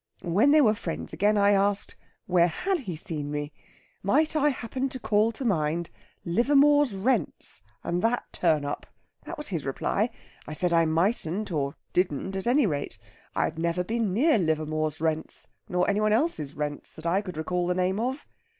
When they were friends again, I asked, Where had he seen me? Might I happen to call to mind Livermore's Rents, and that turn up? that was his reply. I said I mightn't; or didn't, at any rate. I had never been near Livermore's Rents, nor any one else's rents, that I could recall the name of.